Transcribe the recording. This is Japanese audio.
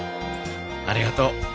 ありがとう。